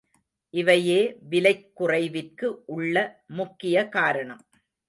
இவையே விலைக் குறைவிற்கு உள்ள முக்கிய காரணம்.